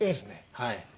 はい。